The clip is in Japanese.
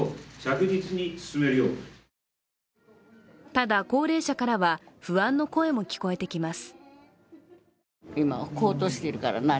ただ、高齢者からは不安の声も聞こえてきます。